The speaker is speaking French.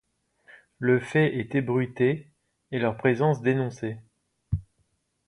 Le fait est ébruité et leur présence dénoncée.